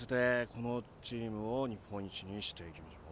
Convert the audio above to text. このチームを日本一にしていきましょう。